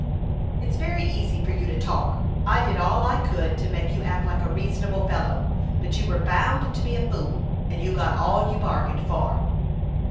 "It's very easy for you to talk. I did all I could to make you act like a reasonable fellow; but you were bound to be a fool, and you got all you bargained for."